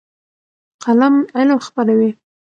قلم علم خپروي.